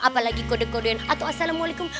apalagi kode kodean atau assalamualaikum